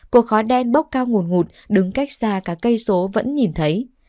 cuộc khói đen bốc cao nguồn ngụt đứng cách xa cả cây số vẫn nhìn thấy